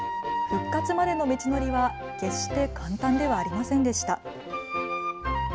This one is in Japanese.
復活までの道のりは決して簡単ではありませんでした。